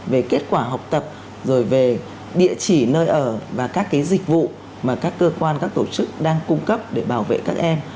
về kết quả học tập rồi về địa chỉ nơi ở và các dịch vụ mà các cơ quan các tổ chức đang cung cấp để bảo vệ các em